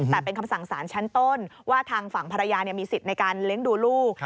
แต่เป็นคำสั่งสารชั้นต้นว่าทางฝั่งภรรยามีสิทธิ์ในการเลี้ยงดูลูก